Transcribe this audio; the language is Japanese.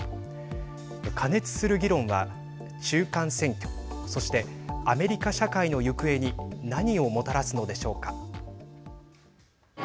過熱する議論は中間選挙、そしてアメリカ社会の行方に何をもたらすのでしょうか。